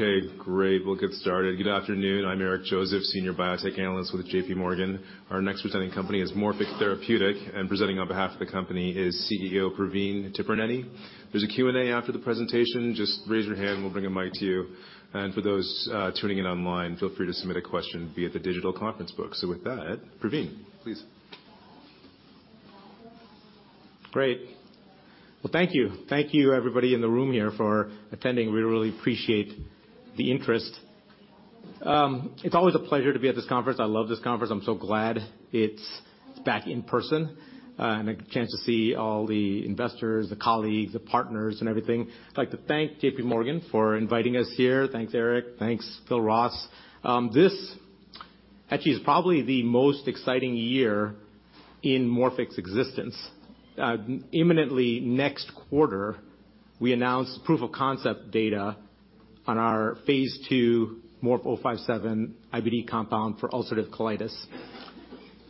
Okay, great. We'll get started. Good afternoon. I'm Eric Joseph, Senior Biotech Analyst with J.P. Morgan. Our next presenting company is Morphic Therapeutic, and presenting on behalf of the company is CEO, Praveen Tipirneni. There's a Q&A after the presentation, just raise your hand, we'll bring a mic to you. For those tuning in online, feel free to submit a question via the digital conference book. With that, Pravin, please. Great. Well, thank you. Thank you everybody in the room here for attending. We really appreciate the interest. It's always a pleasure to be at this conference. I love this conference. I'm so glad it's back in person, and a chance to see all the investors, the colleagues, the partners and everything. I'd like to thank J.P. Morgan for inviting us here. Thanks, Eric. Thanks, Phil Ross. This actually is probably the most exciting year in Morphic's existence. Imminently next quarter, we announce proof of concept data on our phase 2 MORF-057 IBD compound for ulcerative colitis.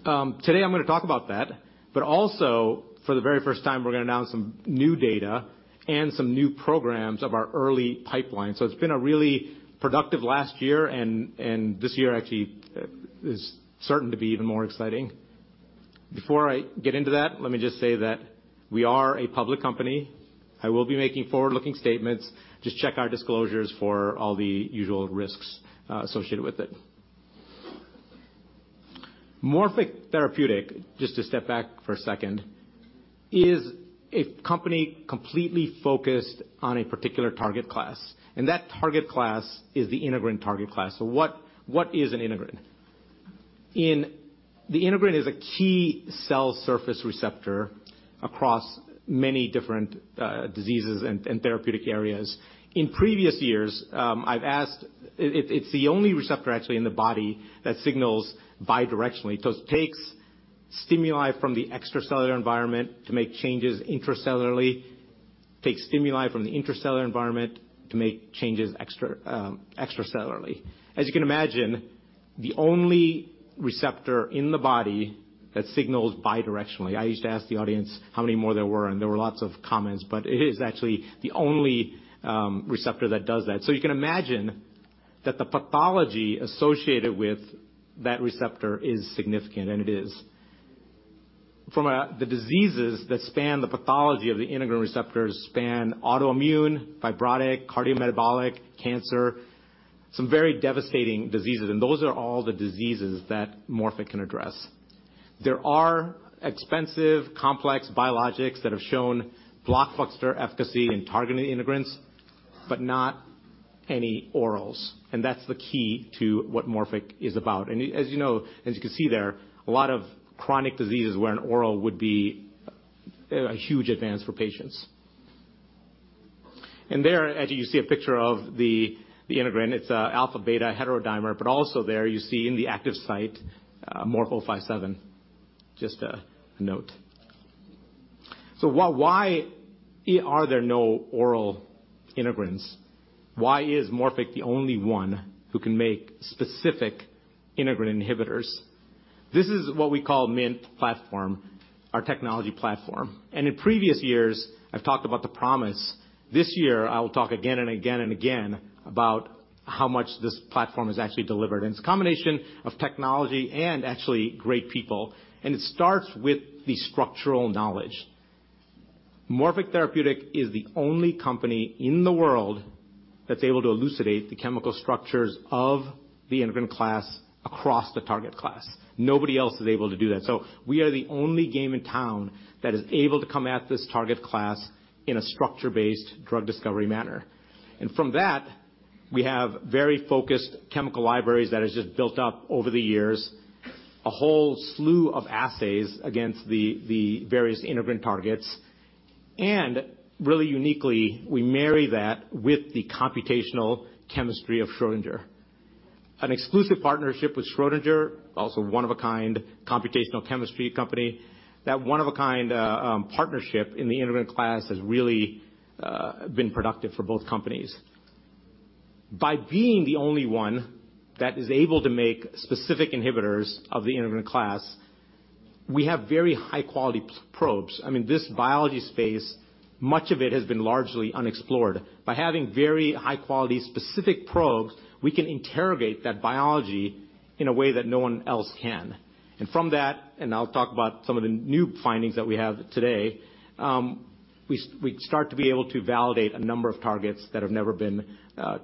Today I'm gonna talk about that, but also for the very first time, we're gonna announce some new data and some new programs of our early pipeline. It's been a really productive last year and this year actually is certain to be even more exciting. Before I get into that, let me just say that we are a public company. I will be making forward-looking statements. Just check our disclosures for all the usual risks associated with it. Morphic Therapeutic, just to step back for a second, is a company completely focused on a particular target class, and that target class is the integrin target class. What is an integrin? The integrin is a key cell surface receptor across many different diseases and therapeutic areas. It's the only receptor actually in the body that signals bidirectionally. It takes stimuli from the extracellular environment to make changes intracellularly, takes stimuli from the intracellular environment to make changes extracellularly. As you can imagine, the only receptor in the body that signals bidirectionally. I used to ask the audience how many more there were, and there were lots of comments, but it is actually the only receptor that does that. You can imagine that the pathology associated with that receptor is significant, and it is. The diseases that span the pathology of the integrin receptors span autoimmune, fibrotic, cardiometabolic, cancer, some very devastating diseases, and those are all the diseases that Morphic can address. There are expensive, complex biologics that have shown blockbuster efficacy in targeting integrins, but not any orals, and that's the key to what Morphic is about. As you know, as you can see there, a lot of chronic diseases where an oral would be a huge advance for patients. There, as you can see a picture of the integrin, it's a alpha-beta heterodimer, but also there you see in the active site, MORF-057. Just a note. Why are there no oral integrins? Why is Morphic the only one who can make specific integrin inhibitors? This is what we call MInT Platform, our technology platform. In previous years, I've talked about the promise. This year I will talk again and again and again about how much this platform has actually delivered, and it's a combination of technology and actually great people, and it starts with the structural knowledge. Morphic Therapeutic is the only company in the world that's able to elucidate the chemical structures of the integrin class across the target class. Nobody else is able to do that. We are the one game in town that is able to come at this target class in a structure-based drug discovery manner. From that, we have very focused chemical libraries that has just built up over the years, a whole slew of assays against the various integrin targets. Really uniquely, we marry that with the computational chemistry of Schrödinger. An exclusive partnership with Schrödinger, also one of a kind computational chemistry company. That one of a kind partnership in the integrin class has really been productive for both companies. By being the only one that is able to make specific inhibitors of the integrin class, we have very high-quality probes. I mean, this biology space, much of it has been largely unexplored. By having very high-quality specific probes, we can interrogate that biology in a way that no 1 else can. From that, and I'll talk about some of the new findings that we have today, we start to be able to validate a number of targets that have never been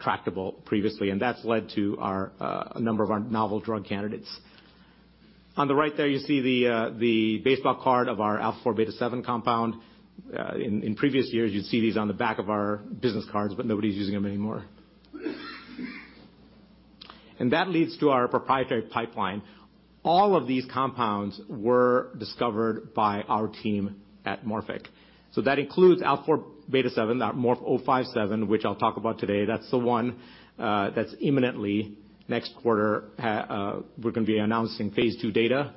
tractable previously, and that's led to our a number of our novel drug candidates. On the right there you see the the baseball card of our alpha four, beta seven compound. In previous years, you'd see these on the back of our business cards, but nobody's using them anymore. That leads to our proprietary pipeline. All of these compounds were discovered by our team at Morphic. That includes alpha four, beta seven, that MORF-057, which I'll talk about today. That's the one, that's imminently next quarter we're gonna be announcing phase 2 data.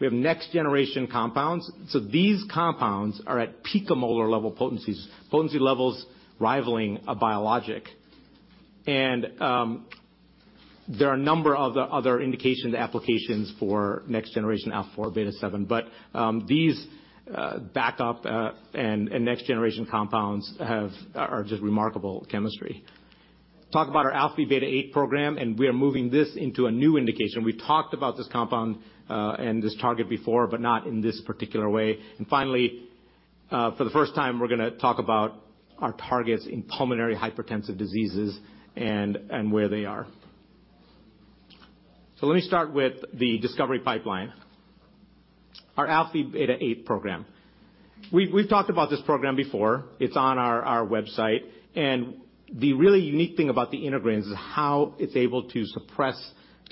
We have next generation compounds. These compounds are at picomolar level potencies, potency levels rivaling a biologic. There are a number of other indication applications for next generation α4β7, but these backup and next generation compounds are just remarkable chemistry. Talk about our αvβ8 program, and we are moving this into a new indication. We talked about this compound and this target before, but not in this particular way. Finally, for the first time, we're gonna talk about our targets in pulmonary hypertensive diseases and where they are. Let me start with the discovery pipeline. Our αvβ8 program. We've talked about this program before, it's on our website, and the really unique thing about the integrins is how it's able to suppress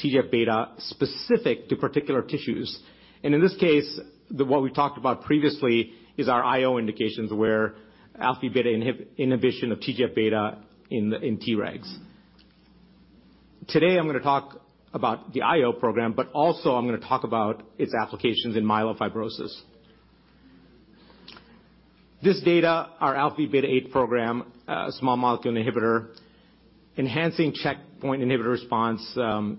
TGF-β specific to particular tissues. In this case, what we talked about previously is our IO indications where αvβ8 inhibition of TGF-β in Tregs. Today, I'm gonna talk about the IO program, but also I'm gonna talk about its applications in myelofibrosis. This data, our αvβ8 program, small molecule inhibitor, enhancing checkpoint inhibitor response,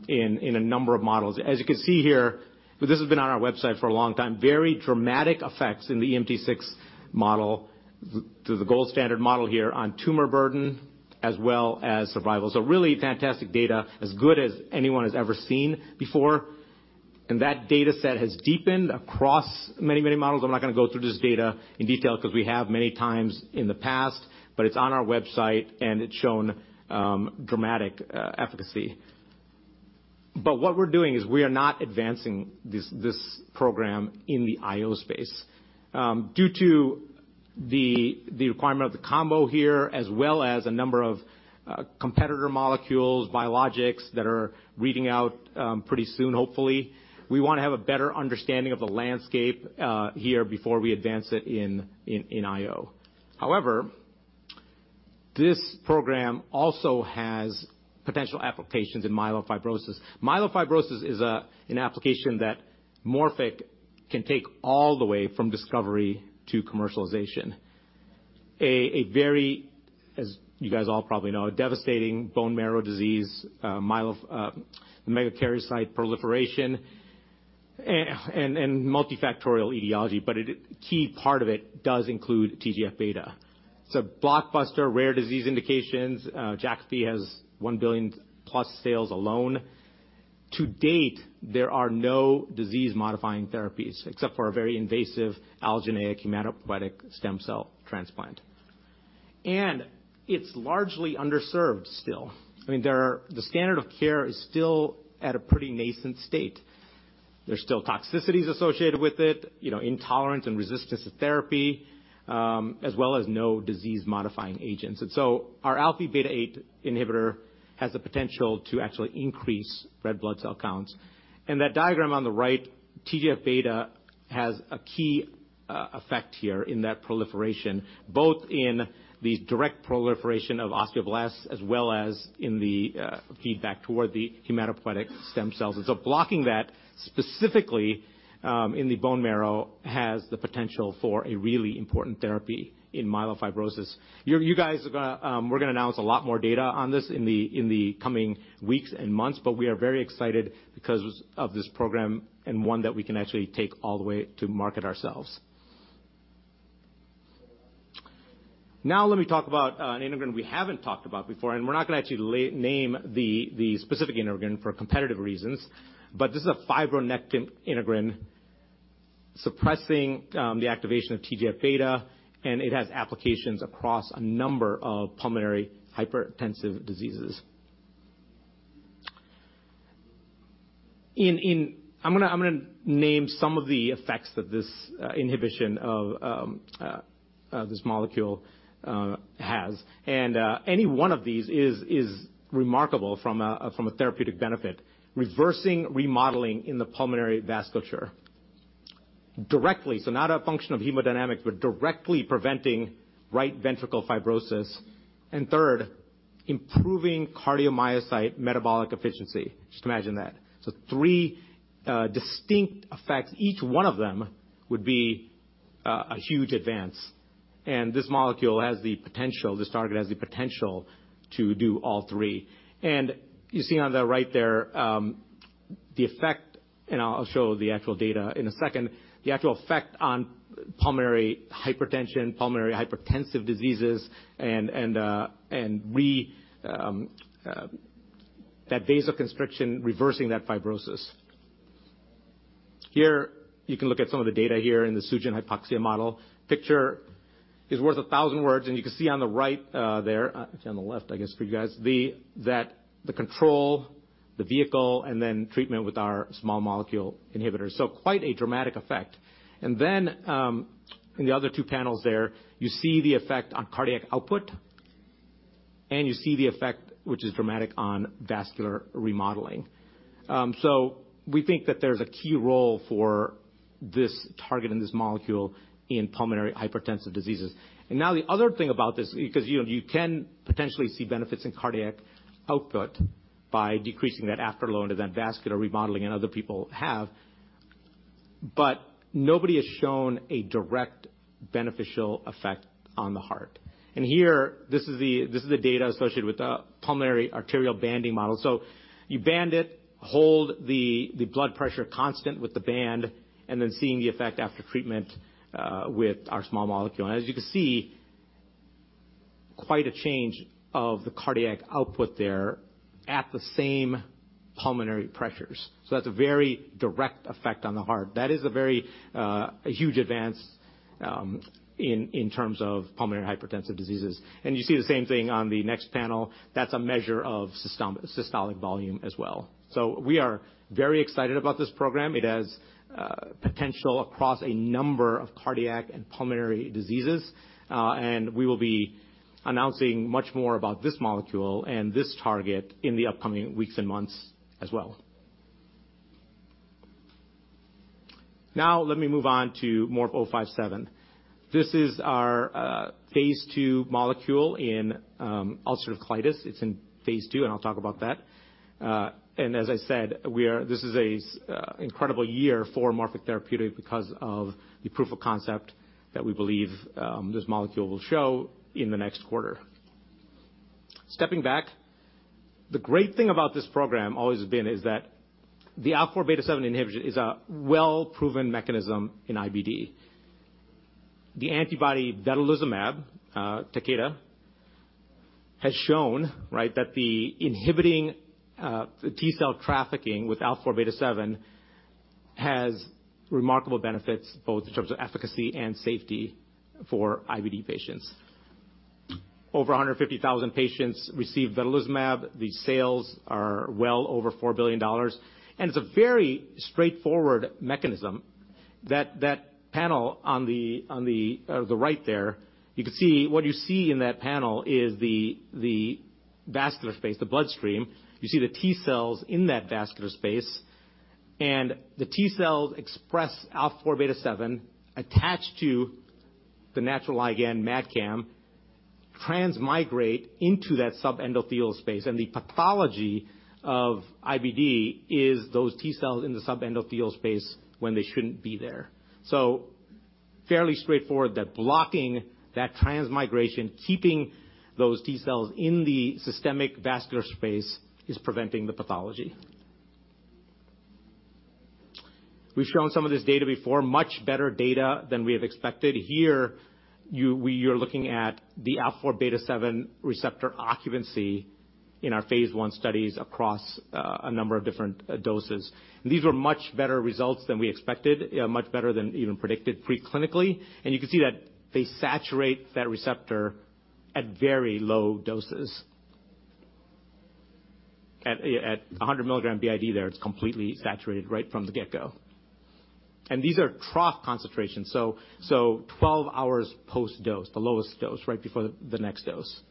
in a number of models. As you can see here, this has been on our website for a long time, very dramatic effects in the EMT6 model, the gold standard model here on tumor burden as well as survival. Really fantastic data, as good as anyone has ever seen before. That data set has deepened across many, many models. I'm not gonna go through this data in detail because we have many times in the past, but it's on our website, and it's shown, dramatic efficacy. What we're doing is we are not advancing this program in the IO space, due to the requirement of the combo here, as well as a number of competitor molecules, biologics that are reading out pretty soon, hopefully. We wanna have a better understanding of the landscape here before we advance it in, in IO. This program also has potential applications in myelofibrosis. Myelofibrosis is an application that Morphic can take all the way from discovery to commercialization. A very, as you guys all probably know, a devastating bone marrow disease, megakaryocyte proliferation and multifactorial etiology, but Key part of it does include TGF-β. It's a blockbuster rare disease indications. Jakafi has $1 billion plus sales alone. To date, there are no disease-modifying therapies except for a very invasive allogeneic hematopoietic stem cell transplant. It's largely underserved still. I mean, the standard of care is still at a pretty nascent state. There's still toxicities associated with it, you know, intolerance and resistance to therapy, as well as no disease-modifying agents. Our alpha-beta eight inhibitor has the potential to actually increase red blood cell counts. That diagram on the right, TGF-β has a key effect here in that proliferation, both in the direct proliferation of osteoblasts as well as in the feedback toward the hematopoietic stem cells. Blocking that specifically, in the bone marrow has the potential for a really important therapy in myelofibrosis. You guys are gonna announce a lot more data on this in the coming weeks and months, we are very excited because of this program and one that we can actually take all the way to market ourselves. Let me talk about an integrin we haven't talked about before, and we're not gonna actually name the specific integrin for competitive reasons. This is a fibronectin integrin suppressing the activation of TGF-β, and it has applications across a number of pulmonary hypertensive diseases. I'm gonna name some of the effects that this inhibition of this molecule has, and any one of these is remarkable from a therapeutic benefit, reversing remodeling in the pulmonary vasculature. Directly, so not a function of hemodynamics, but directly preventing right ventricle fibrosis. Third, improving cardiomyocyte metabolic efficiency. Just imagine that. Three distinct effects. Each one of them would be a huge advance. This molecule has the potential, this target has the potential to do all three. You see on the right there, the effect, and I'll show the actual data in a second, the actual effect on pulmonary hypertension, pulmonary hypertensive diseases and That vasoconstriction reversing that fibrosis. Here you can look at some of the data here in the Sugen/hypoxia model. Picture is worth 1,000 words, and you can see on the right there, actually on the left, I guess, for you guys, that the control, the vehicle, and then treatment with our small molecule inhibitors. Quite a dramatic effect. Then, in the other two panels there, you see the effect on cardiac output, and you see the effect, which is dramatic on vascular remodeling. We think that there's a key role for this target and this molecule in pulmonary hypertensive diseases. Now the other thing about this, because, you know, you can potentially see benefits in cardiac output by decreasing that afterload and then vascular remodeling, and other people have. Nobody has shown a direct beneficial effect on the heart. Here, this is the, this is the data associated with the pulmonary arterial banding model. You band it, hold the blood pressure constant with the band, and then seeing the effect after treatment with our small molecule. As you can see, quite a change of the cardiac output there at the same pulmonary pressures. That's a very direct effect on the heart. That is a very, a huge advance, in terms of pulmonary hypertensive diseases. You see the same thing on the next panel. That's a measure of systolic volume as well. We are very excited about this program. It has potential across a number of cardiac and pulmonary diseases. We will be announcing much more about this molecule and this target in the upcoming weeks and months as well. Now let me move on to MORF-057. This is our phase 2 molecule in ulcerative colitis. It's in phase 2, and I'll talk about that. As I said, this is an incredible year for Morphic Therapeutic because of the proof of concept that we believe this molecule will show in the next quarter. Stepping back, the great thing about this program always has been is that the α4β7 inhibitor is a well-proven mechanism in IBD. The antibody vedolizumab, Takeda, has shown, right, that the inhibiting the T-cell trafficking with α4β7 has remarkable benefits, both in terms of efficacy and safety for IBD patients. Over 150,000 patients receive vedolizumab. The sales are well over $4 billion, and it's a very straightforward mechanism that panel on the, on the right there, you can see... What you see in that panel is the vascular space, the bloodstream. You see the T-cells in that vascular space. The T-cells express α4β7 attached to the natural ligand MAdCAM transmigrate into that subendothelial space. The pathology of IBD is those T-cells in the subendothelial space when they shouldn't be there. Fairly straightforward that blocking that transmigration, keeping those T-cells in the systemic vascular space, is preventing the pathology. We've shown some of this data before, much better data than we have expected. Here, you're looking at the alpha four beta seven receptor occupancy in our phase I studies across a number of different doses. These were much better results than we expected, much better than even predicted pre-clinically. You can see that they saturate that receptor at very low doses. At 100 milligram BID there, it's completely saturated right from the get go. These are trough concentrations, so 12 hours post-dose, the lowest dose, right before the next dose.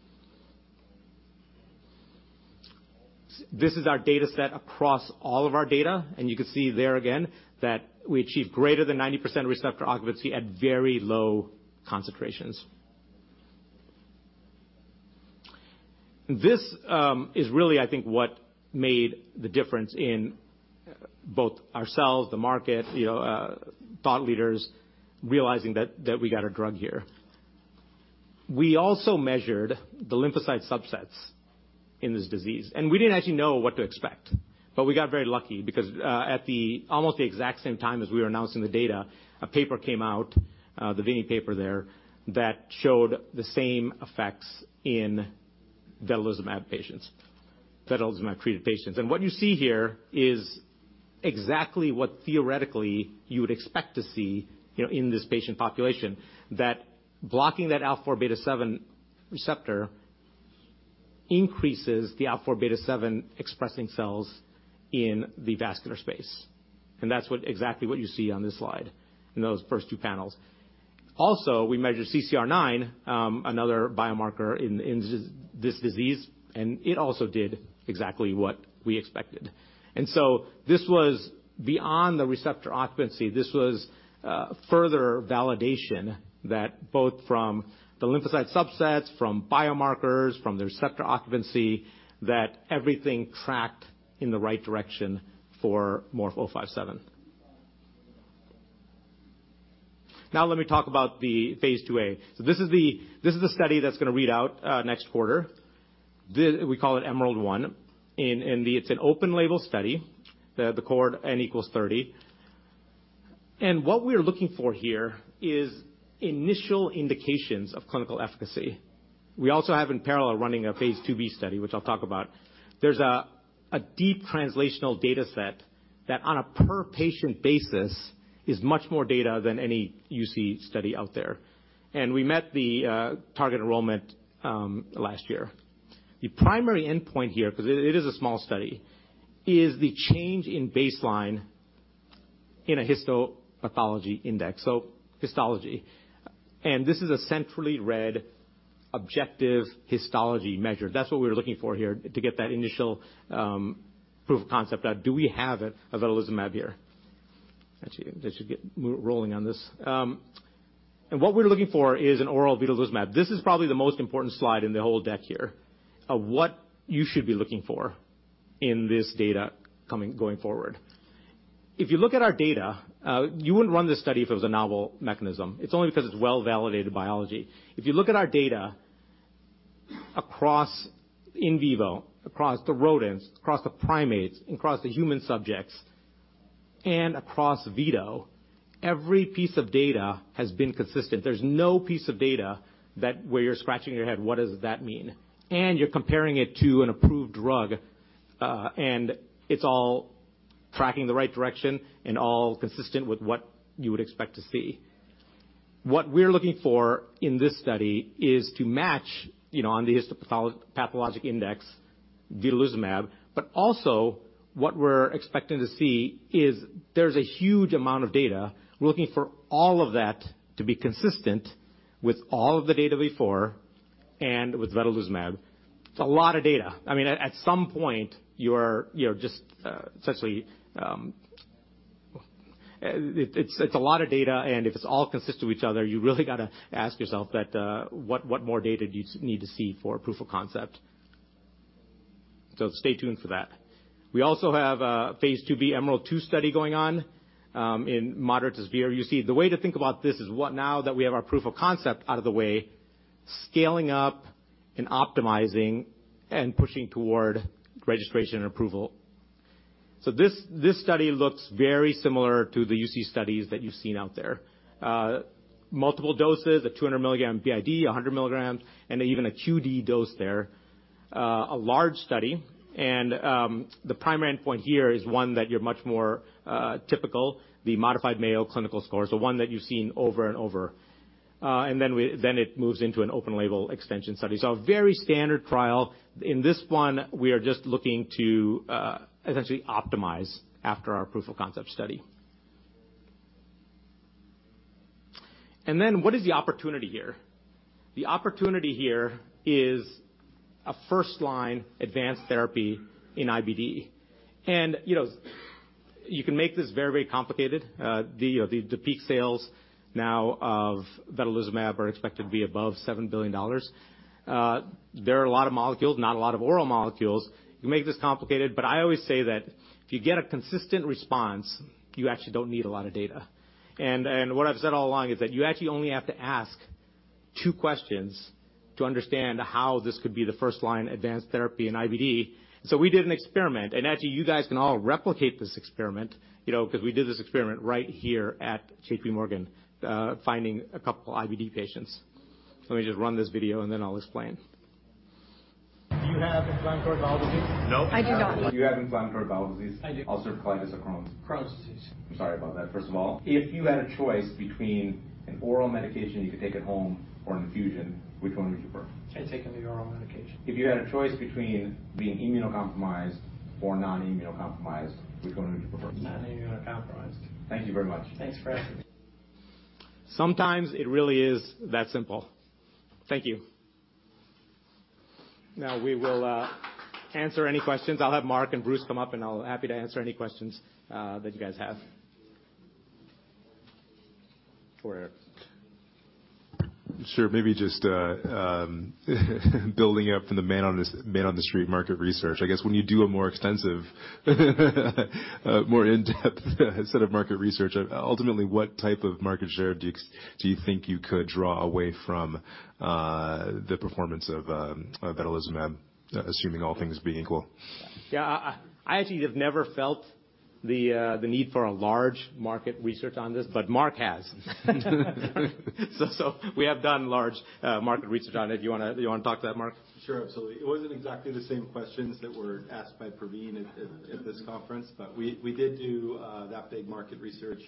This is our data set across all of our data, and you can see there again that we achieve greater than 90% receptor occupancy at very low concentrations. This is really, I think, what made the difference in both ourselves, the market, you know, thought leaders realizing that we got a drug here. We also measured the lymphocyte subsets in this disease. We didn't actually know what to expect. We got very lucky because, at almost the exact same time as we were announcing the data, a paper came out, the Vermeire paper there, that showed the same effects in vedolizumab patients, vedolizumab-treated patients. What you see here is exactly what theoretically you would expect to see, you know, in this patient population, that blocking that α4β7 receptor increases the α4β7 expressing cells in the vascular space. That's exactly what you see on this slide in those first two panels. We measured CCR9, another biomarker in this disease, and it also did exactly what we expected. This was beyond the receptor occupancy. This was further validation that both from the lymphocyte subsets, from biomarkers, from the receptor occupancy, that everything tracked in the right direction for MORF-057. Let me talk about the phase 2a. This is the study that's gonna read out next quarter. We call it EMERALD-1. It's an open-label study. The cohort N equals 30. What we're looking for here is initial indications of clinical efficacy. We also have, in parallel, running a phase 2b study, which I'll talk about. There's a deep translational data set that, on a per patient basis, is much more data than any UC study out there. We met the target enrollment last year. The primary endpoint here, 'cause it is a small study, is the change in baseline in a histopathology index, so histology. This is a centrally read objective histology measure. That's what we're looking for here to get that initial proof of concept. Do we have a vedolizumab here? Actually, I should get rolling on this. What we're looking for is an oral vedolizumab. This is probably the most important slide in the whole deck here of what you should be looking for in this data going forward. If you look at our data, you wouldn't run this study if it was a novel mechanism. It's only because it's well-validated biology. If you look at our data across in vivo, across the rodents, across the primates, and across the human subjects, and across vedo, every piece of data has been consistent. There's no piece of data that where you're scratching your head, what does that mean? You're comparing it to an approved drug, it's all tracking the right direction and all consistent with what you would expect to see. What we're looking for in this study is to match, you know, on the pathologic index vedolizumab, but also what we're expecting to see is there's a huge amount of data. We're looking for all of that to be consistent with all of the data before and with vedolizumab. It's a lot of data. I mean, at some point, you're just essentially It's a lot of data, and if it's all consistent with each other, you really gotta ask yourself that what more data do you need to see for proof of concept. Stay tuned for that. We also have a phase 2B EMERALD-2 study going on in moderate to severe UC. The way to think about this is what now that we have our proof of concept out of the way, scaling up and optimizing and pushing toward registration and approval. This study looks very similar to the UC studies that you've seen out there. Multiple doses at 200 milligram BID, 100 milligrams, and even a QD dose there. A large study, and the primary endpoint here is one that you're much more typical, the modified Mayo clinical score. One that you've seen over and over. Then it moves into an open-label extension study. A very standard trial. In this one, we are just looking to essentially optimize after our proof of concept study. What is the opportunity here? The opportunity here is a first-line advanced therapy in IBD. You know, you can make this very, very complicated. The, you know, the peak sales now of vedolizumab are expected to be above $7 billion. There are a lot of molecules, not a lot of oral molecules. You can make this complicated, but I always say that if you get a consistent response, you actually don't need a lot of data. What I've said all along is that you actually only have to ask two questions to understand how this could be the first-line advanced therapy in IBD. We did an experiment, and actually you guys can all replicate this experiment, you know, 'cause we did this experiment right here at J.P. Morgan, finding a couple IBD patients. Let me just run this video, and then I'll explain. Do you have inflammatory bowel disease? No. I do not. Do you have inflammatory bowel disease? I do. Ulcerative colitis or Crohn's? Crohn's disease. I'm sorry about that, first of all. If you had a choice between an oral medication you could take at home or an infusion, which one would you prefer? I'd take the oral medication. If you had a choice between being immunocompromised or non-immunocompromised, which one would you prefer? Non-immunocompromised. Thank you very much. Thanks for asking me. Sometimes it really is that simple. Thank you. Now we will answer any questions. I'll have Mark and Bruce come up, and happy to answer any questions that you guys have. Go ahead. Sure. Maybe just building up from the man on the street market research. I guess when you do a more extensive, more in-depth set of market research, ultimately, what type of market share do you think you could draw away from the performance of vedolizumab, assuming all things being equal? I actually have never felt the need for a large market research on this, but Mark has. We have done large market research on it. Do you wanna talk to that, Mark? Sure. Absolutely. It wasn't exactly the same questions that were asked by Praveen at this conference, but we did do that big market research.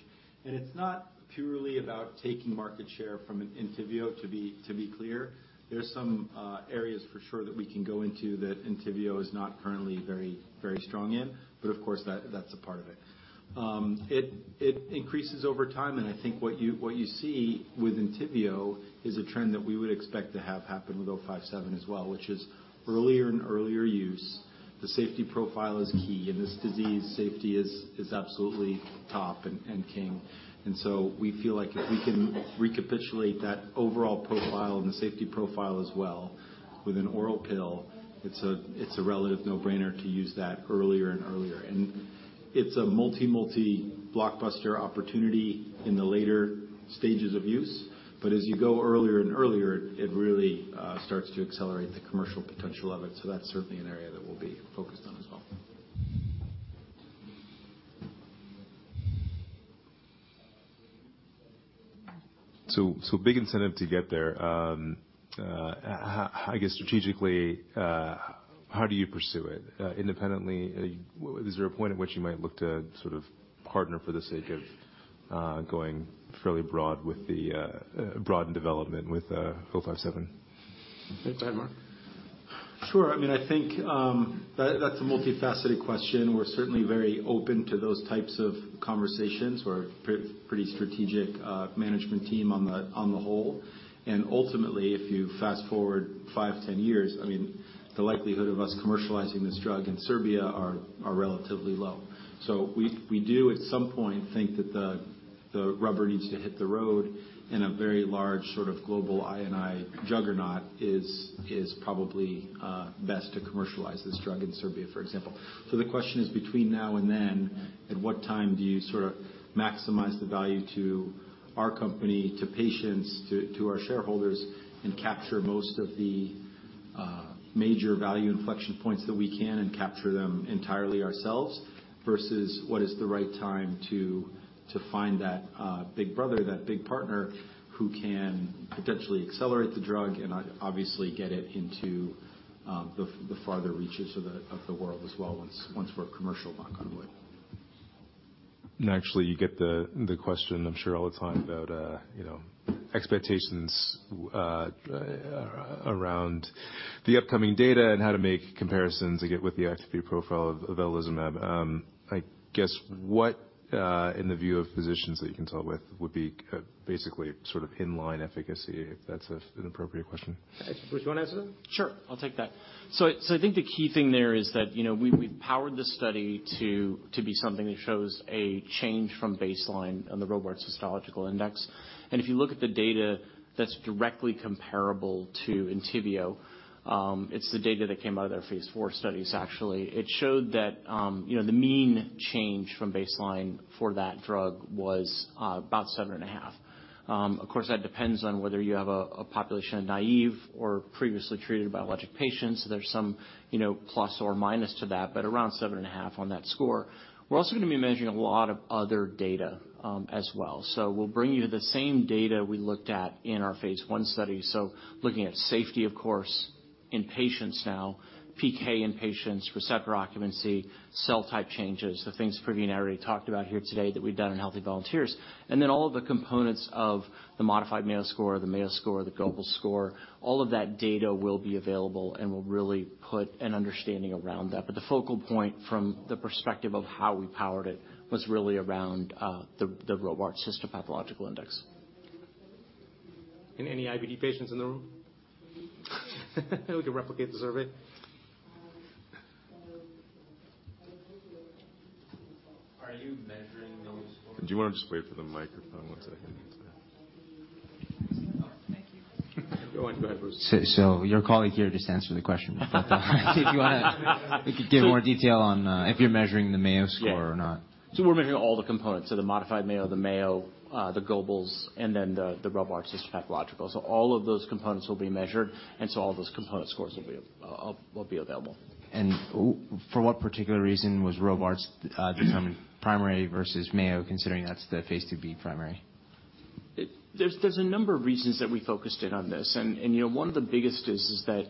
It's not purely about taking market share from ENTYVIO, to be clear. There's some areas for sure that we can go into that ENTYVIO is not currently very strong in, but of course, that's a part of it. It increases over time, and I think what you see with ENTYVIO is a trend that we would expect to have happen with MORF-057 as well, which is earlier and earlier use. The safety profile is key. In this disease, safety is absolutely top and king. We feel like if we can recapitulate that overall profile and the safety profile as well with an oral pill, it's a relative no-brainer to use that earlier and earlier. It's a multi-blockbuster opportunity in the later stages of use, but as you go earlier and earlier, it really starts to accelerate the commercial potential of it. That's certainly an area that we'll be focused on as well. Big incentive to get there. I guess strategically, how do you pursue it? Independently? Is there a point at which you might look to sort of partner for the sake of going fairly broad with the broad in development with 057? Go ahead, Mark. Sure. I mean, I think that's a multifaceted question. We're certainly very open to those types of conversations. We're a pretty strategic management team on the whole. Ultimately, if you fast-forward 5, 10 years, I mean, the likelihood of us commercializing this drug in Serbia are relatively low. We do at some point think that The rubber needs to hit the road, a very large sort of global I&I juggernaut is probably best to commercialize this drug in Serbia, for example. The question is between now and then, at what time do you sort of maximize the value to our company, to patients, to our shareholders, and capture most of the major value inflection points that we can and capture them entirely ourselves, versus what is the right time to find that big brother, that big partner who can potentially accelerate the drug and obviously get it into the farther reaches of the world as well, once we're commercial, knock on wood. Actually, you get the question I'm sure all the time about, you know, expectations around the upcoming data and how to make comparisons again with the activity profile of avelumab. I guess what, in the view of physicians that you consult with would be basically sort of in line efficacy, if that's a, an appropriate question. Bruce, you wanna answer that? Sure, I'll take that. I think the key thing there is that, you know, we've powered the study to be something that shows a change from baseline on the Robarts Histopathology Index. If you look at the data that's directly comparable to Entyvio, it's the data that came out of their phase 4 studies, actually. It showed that, you know, the mean change from baseline for that drug was about 7.5. Of course, that depends on whether you have a population of naive or previously treated biologic patients. There's some, you know, plus or minus to that, but around 7.5 on that score. We're also gonna be measuring a lot of other data as well. We'll bring you the same data we looked at in our phase 1 study. Looking at safety, of course, in patients now, PK in patients, receptor occupancy, cell type changes, the things Purvi and I already talked about here today that we've done in healthy volunteers. Then all of the components of the modified Mayo score, the Mayo score, the Geboes score, all of that data will be available, and we'll really put an understanding around that. The focal point from the perspective of how we powered it was really around the Robarts Histopathology Index. Any IBD patients in the room? We can replicate the survey. Are you measuring those? Do you wanna just wait for the microphone one second? Oh, thank you. Go on. Go ahead, Bruce. Your colleague here just answered the question. If you want to give more detail on, if you're measuring the Mayo score or not? Yeah. We're measuring all the components. The modified Mayo, the Mayo, the Geboes, and then the Robarts Histopathological. All of those components will be measured, and so all those component scores will be available. For what particular reason was Robarts becoming primary versus Mayo, considering that's the phase 2b primary? There's a number of reasons that we focused in on this and you know, one of the biggest is that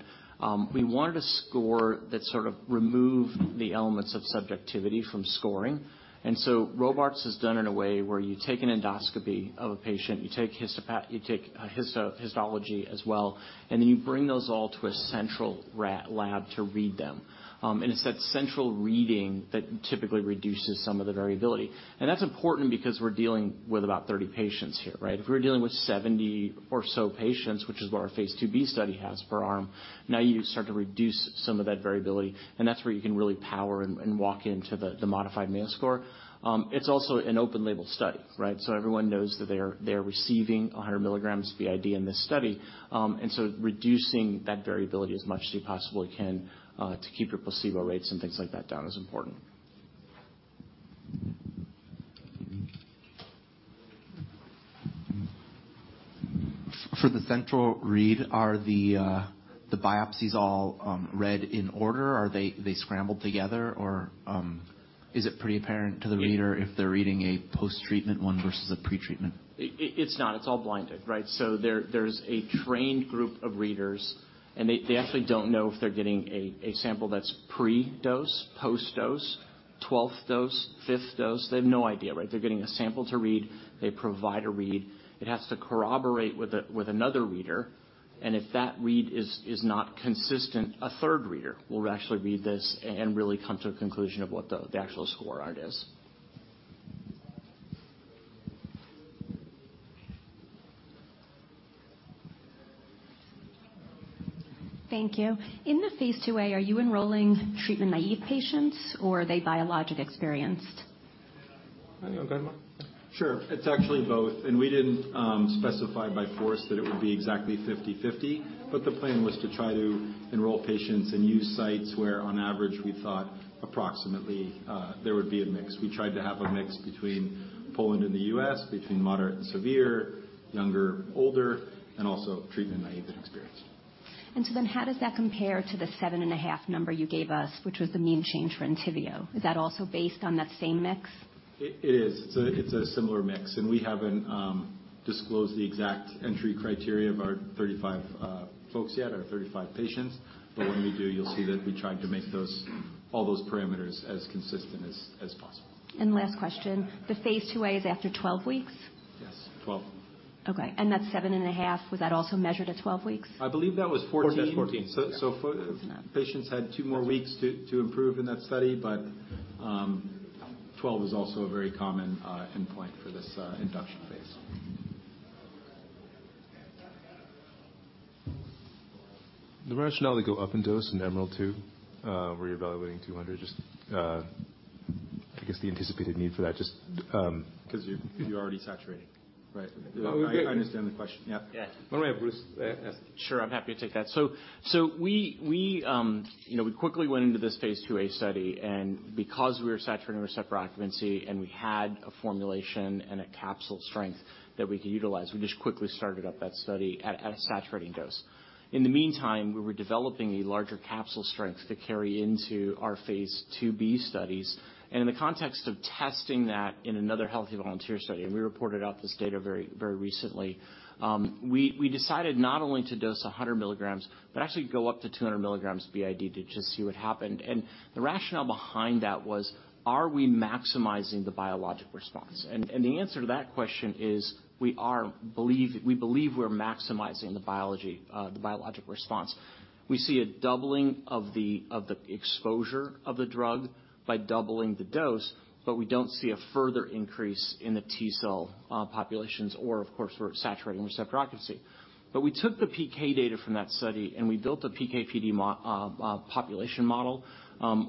we wanted a score that sort of removed the elements of subjectivity from scoring. Robarts is done in a way where you take an endoscopy of a patient, you take histology as well, and then you bring those all to a central lab to read them. It's that central reading that typically reduces some of the variability. That's important because we're dealing with about 30 patients here, right? If we were dealing with 70 or so patients, which is what our phase 2b study has per arm, now you start to reduce some of that variability, and that's where you can really power and walk into the modified Mayo score. It's also an open label study, right? Everyone knows that they're receiving 100 milligrams of BID in this study. Reducing that variability as much as you possibly can, to keep your placebo rates and things like that down is important. For the central read, are the biopsies all read in order? Are they scrambled together? Or is it pretty apparent to the reader if they're reading a post-treatment one versus a pre-treatment? It's not. It's all blinded, right? There's a trained group of readers, and they actually don't know if they're getting a sample that's pre-dose, post-dose, 12th dose, fifth dose. They have no idea, right? They're getting a sample to read, they provide a read. It has to corroborate with another reader, and if that read is not consistent, a third reader will actually read this and really come to a conclusion of what the actual score on it is. Thank you. In the phase 2a, are you enrolling treatment-naive patients, or are they biologic-experienced? Go ahead, Mark. Sure. It's actually both. We didn't specify by force that it would be exactly 50-50, but the plan was to try to enroll patients and use sites where, on average, we thought approximately there would be a mix. We tried to have a mix between Poland and the U.S., between moderate and severe, younger, older, and also treatment-naive and experienced. How does that compare to the 7.5 number you gave us, which was the mean change for ENTYVIO? Is that also based on that same mix? It is. It's a similar mix. We haven't disclosed the exact entry criteria of our 35 folks yet, our 35 patients. When we do, you'll see that we tried to make those all those parameters as consistent as possible. Last question. The phase 2a is after 12 weeks? Yes, 12. Okay. that seven and a half, was that also measured at 12 weeks? I believe that was 14. 14. That's 14. That's enough. Patients had 2 more weeks to improve in that study, but 12 is also a very common endpoint for this induction. The rationale to go up in dose in EMERALD-2, where you're evaluating 200 just, I guess, the anticipated need for that just. Cause you're already saturating, right? No. I understand the question. Yep. Yeah. Why don't we have Bruce ask? Sure, I'm happy to take that. We, you know, we quickly went into this phase 2a study, and because we were saturating receptor occupancy and we had a formulation and a capsule strength that we could utilize, we just quickly started up that study at a saturating dose. In the meantime, we were developing a larger capsule strength to carry into our phase 2b studies. In the context of testing that in another healthy volunteer study, we reported out this data very recently, we decided not only to dose 100 milligrams, but actually go up to 200 milligrams BID to just see what happened. The rationale behind that was, are we maximizing the biologic response? The answer to that question is, we believe we're maximizing the biology, the biologic response. We see a doubling of the exposure of the drug by doubling the dose, but we don't see a further increase in the T-cell populations or of course, we're saturating receptor occupancy. We took the PK data from that study, and we built a PK/PD population model,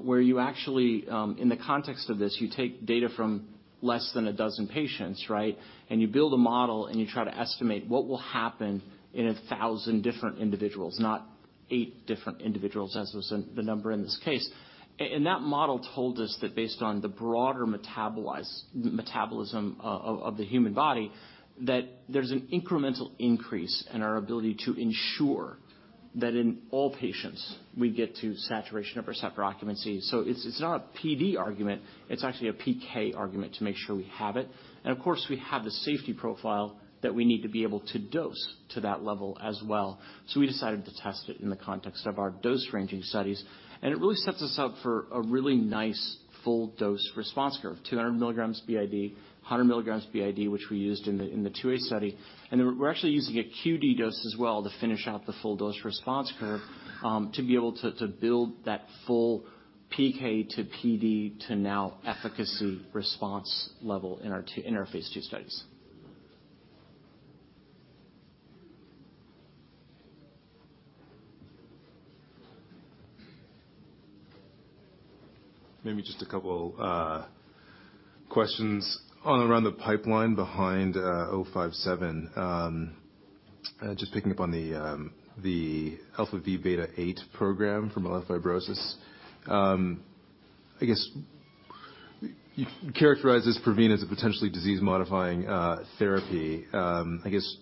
where you actually, in the context of this, you take data from less than 12 patients, right? You build a model, and you try to estimate what will happen in 1,000 different individuals, not 8 different individuals, as was the number in this case. That model told us that based on the broader metabolism of the human body, that there's an incremental increase in our ability to ensure that in all patients, we get to saturation of receptor occupancy. It's not a PD argument, it's actually a PK argument to make sure we have it. Of course, we have the safety profile that we need to be able to dose to that level as well. We decided to test it in the context of our dose ranging studies, and it really sets us up for a really nice full dose response curve, 200 milligrams BID, 100 milligrams BID, which we used in the 2a study. Then we're actually using a QD dose as well to finish out the full dose response curve, to be able to build that full PK to PD to now efficacy response level in our phase 2 studies. Maybe just a couple questions on around the pipeline behind MORF-057. Just picking up on the αvβ8 program for myelofibrosis. I guess you characterize this Pravin as a potentially disease-modifying therapy. I guess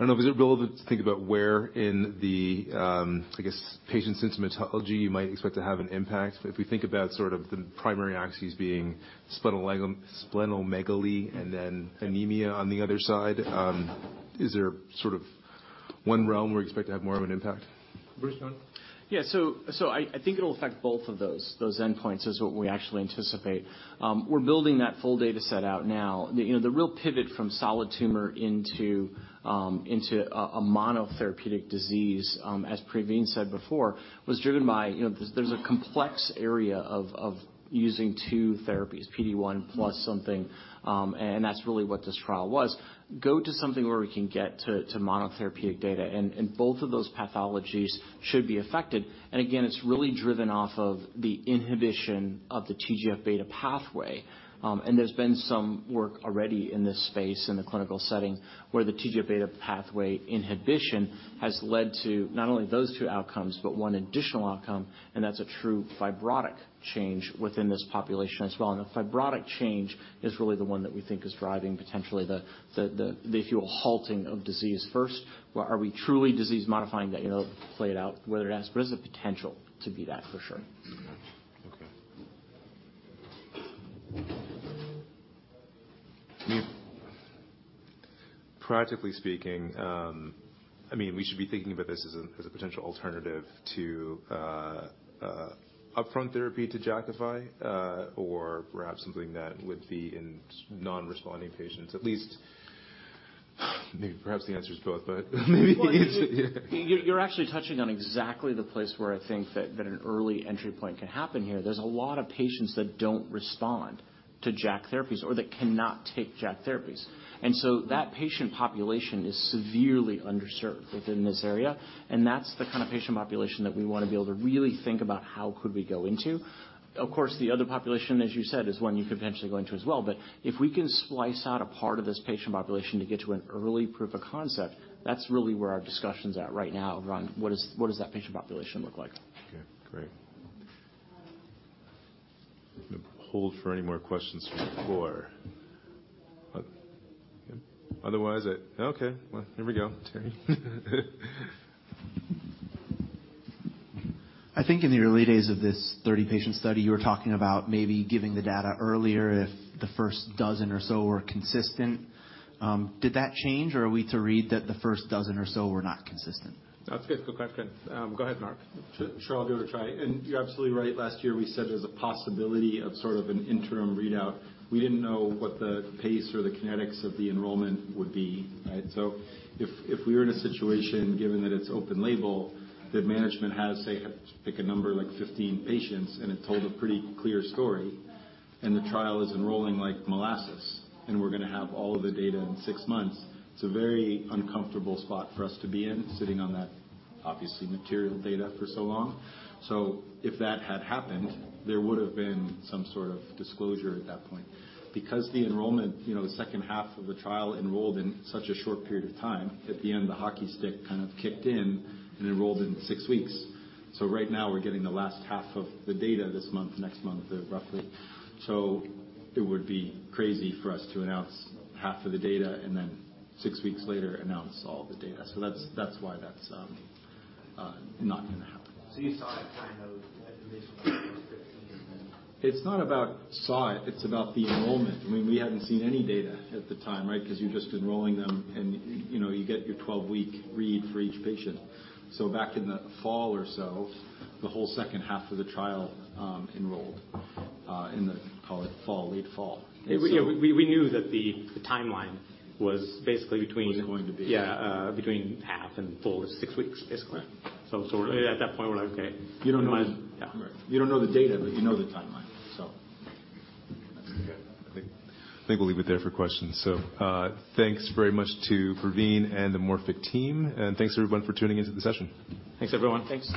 I don't know. Is it a bit odd to think about where in the, I guess, patient's symptomatology you might expect to have an impact. If we think about sort of the primary axes being splenomegaly and then anemia on the other side, is there sort of one realm where you expect to have more of an impact? Bruce, go on. I think it'll affect both of those endpoints is what we actually anticipate. We're building that full data set out now. You know, the real pivot from solid tumor into a monotherapeutic disease, as Pravin said before, was driven by, you know, there's a complex area of using two therapies, PD-1 plus something, that's really what this trial was. Go to something where we can get to monotherapeutic data, and both of those pathologies should be affected. Again, it's really driven off of the inhibition of the TGF-β pathway. There's been some work already in this space in the clinical setting where the TGF-β pathway inhibition has led to not only those two outcomes, but one additional outcome, that's a true fibrotic change within this population as well. The fibrotic change is really the one that we think is driving potentially the, if you will, halting of disease first. Are we truly disease modifying that, you know, play it out whether it has, but there's a potential to be that for sure. Okay. Practically speaking, I mean, we should be thinking about this as a potential alternative to upfront therapy to Jakafi, or perhaps something that would be in non-responding patients, at least. Maybe perhaps the answer is both, but maybe. You're actually touching on exactly the place where I think that an early entry point can happen here. There's a lot of patients that don't respond to JAK therapies or that cannot take JAK therapies. That patient population is severely underserved within this area, and that's the kind of patient population that we wanna be able to really think about how could we go into. Of course, the other population, as you said, is one you could potentially go into as well. If we can splice out a part of this patient population to get to an early proof of concept, that's really where our discussion's at right now around what does that patient population look like. Okay, great. Hold for any more questions from the floor. Okay. Well, here we go. Terry. I think in the early days of this 30-patient study, you were talking about maybe giving the data earlier if the first dozen or so were consistent. Did that change, or are we to read that the first dozen or so were not consistent? That's good. Good question. Go ahead, Mark. Sure. I'll give it a try. You're absolutely right. Last year, we said there's a possibility of sort of an interim readout. We didn't know what the pace or the kinetics of the enrollment would be, right? If we were in a situation, given that it's open label, that management has, say, pick a number like 15 patients, it told a pretty clear story, the trial is enrolling like molasses, we're gonna have all of the data in 6 months, it's a very uncomfortable spot for us to be in, sitting on that obviously material data for so long. If that had happened, there would have been some sort of disclosure at that point. Because the enrollment, you know, the second half of the trial enrolled in such a short period of time, at the end, the hockey stick kind of kicked in and enrolled in 6 weeks. Right now, we're getting the last half of the data this month, next month, roughly. It would be crazy for us to announce half of the data and then 6 weeks later announce all the data. That's why that's not gonna happen. You saw it kind of at initial 15, and then. It's not about saw it's about the enrollment. I mean, we hadn't seen any data at the time, right? 'Cause you're just enrolling them and, you know, you get your 12-week read for each patient. Back in the fall or so, the whole second half of the trial enrolled in the, call it fall, late fall. We knew that the timeline was basically. Was going to be. Yeah, between half and full is six weeks, basically. Correct. At that point, we're like, "Okay, you don't know the- Might as Yeah. Right. You don't know the data, but you know the timeline. I think we'll leave it there for questions. Thanks very much to Pravin and the Morphic team, and thanks everyone for tuning into the session. Thanks, everyone. Thanks.